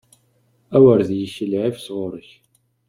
A wer d-yekk lɛib sɣur-k!